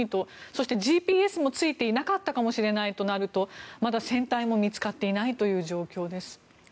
そして、ＧＰＳもついていなかったかもしれないとなるとまだ船体も見つかっていないという状況です。